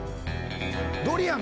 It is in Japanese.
ドリアン？